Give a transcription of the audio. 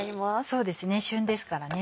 そうですね旬ですからね。